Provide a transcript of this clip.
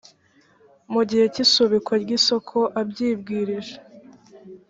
mu gihe cy’ isubikwa ry’ isoko abyibwirije